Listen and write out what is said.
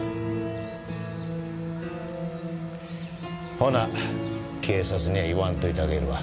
ほな警察には言わんといてあげるわ。